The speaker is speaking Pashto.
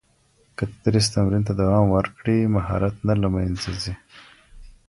که تدریس تمرین ته دوام ورکړي، مهارت نه له منځه ځي.